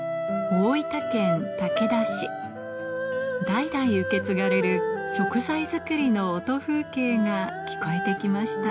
代々受け継がれる食材作りの音風景が聞こえて来ました